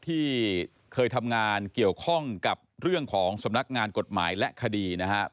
ที่เคยทำงานเกี่ยวข้องกับเรื่องของสำนักงานกฎหมายและคดีนะครับ